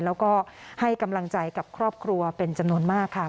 แล้วก็ให้กำลังใจกับครอบครัวเป็นจำนวนมากค่ะ